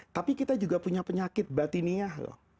tapi kita juga punya penyakit batiniah loh